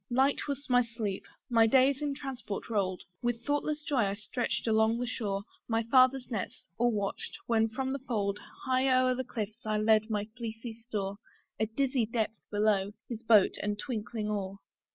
Light was my sleep; my days in transport roll'd: With thoughtless joy I stretch'd along the shore My father's nets, or watched, when from the fold High o'er the cliffs I led my fleecy store, A dizzy depth below! his boat and twinkling oar.